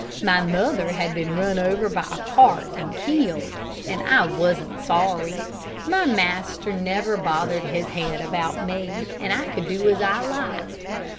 My mother had been run over by a cart and killed, and I wasn't sorry. My master never bothered his head about me, and I could do as I liked.